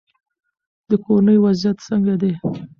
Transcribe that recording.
د کورنۍ وضعیت څنګه دی؟